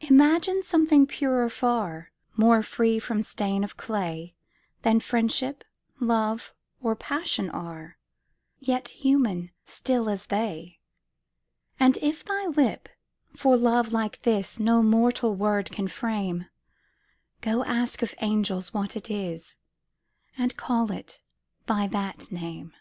Imagine something purer far, More free from stain of clay Than Friendship, Love, or Passion are, Yet human, still as they: And if thy lip, for love like this, No mortal word can frame, Go, ask of angels what it is, And call it by that name!